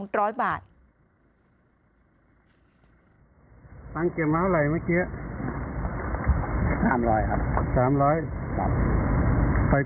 ต่ออย่างไปเข้าไปเท่าไร